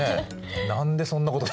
何でそんなことを。